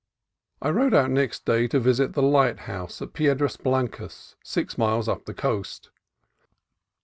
I rode out next day to visit the lighthouse at Pie dras Blancas, six miles up the coast.